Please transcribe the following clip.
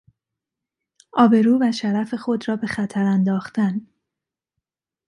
آبرو و شرف خود را به خطر انداختن